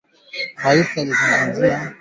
Generali Bosco Ntaganda